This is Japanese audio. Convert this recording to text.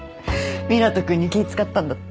湊斗君に気使ったんだった。